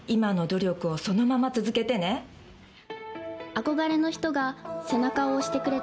憧れの人が背中を押してくれた